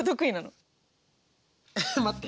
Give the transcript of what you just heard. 待って。